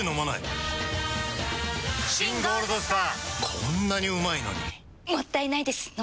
こんなにうまいのにもったいないです、飲まないと。